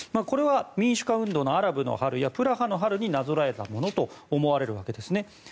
これは民主化運動のアラブの春やプラハの春になぞらえたものと思われるわけです。